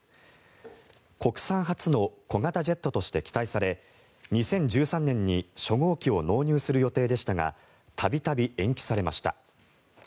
国産初の小型ジェットとして期待され２０１３年に初号機を納入する予定でしたが度々延期されました。